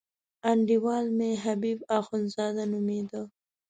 انډیوال مې حبیب اخندزاده نومېده.